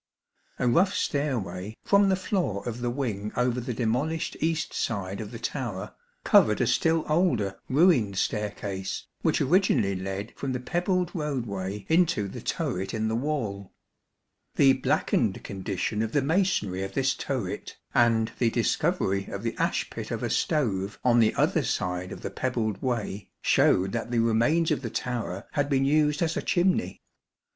A rough stairway, from the floor of the wing over the demolished east side of the tower, covered a still older ruined staircase, which originally led from the pebbled roadway into the turret in the wall. The blackened condition of the masonry of this turret, and the discovery of the ash pit of a stove on the other side of the pebbled way, showed that the remains of the tower had been used as a chimney.